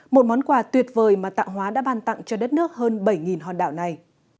một món quà tuyệt vời mà tạo hóa đã ban tặng cho đất nước hơn bảy hòn đảo này